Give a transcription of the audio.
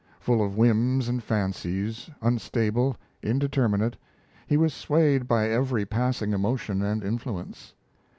Full of whims and fancies, unstable, indeterminate, he was swayed by every passing emotion and influence.